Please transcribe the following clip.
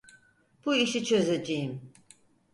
Bu işi çözeceğim.